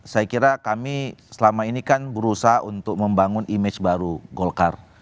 saya kira kami selama ini kan berusaha untuk membangun image baru golkar